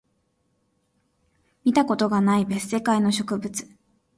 見たことがない別世界の植物